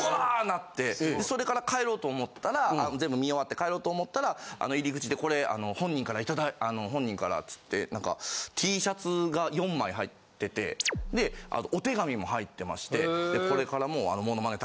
なってそれから帰ろうと思ったら全部観終わって帰ろうと思ったら入り口で「これあの本人から」つってなんかＴシャツが４枚入っててお手紙も入ってましてこれからもあのモノマネ